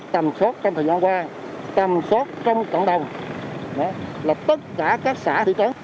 tầm sốt trong thời gian qua tầm sốt trong cộng đồng là tất cả các xã thị trấn